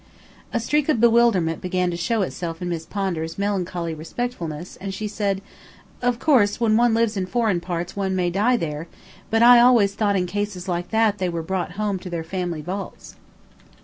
A streak of bewilderment began to show itself in Miss Pondar's melancholy respectfulness, and she said: "Of course, when one lives in foreign parts one may die there, but I always thought in cases like that they were brought home to their family vaults."